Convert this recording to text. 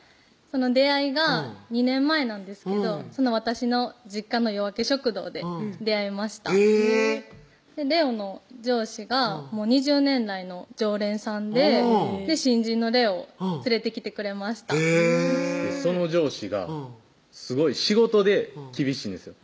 出会いが２年前なんですけど私の実家のよあけ食堂で出会いました玲央の上司がもう２０年来の常連さんで新人の玲央を連れてきてくれましたその上司がすごい仕事で厳しいんですよ